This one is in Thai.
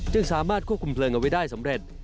สามารถควบคุมเพลิงเอาไว้ได้สำเร็จ